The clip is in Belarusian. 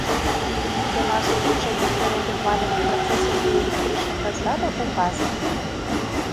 Займаўся вывучэннем прыроды хвалевых працэсаў і электрычных разрадаў у газах.